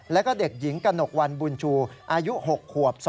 แล้วก็เด็กหญิงกระหนกวันบุญชูอายุ๖ขวบ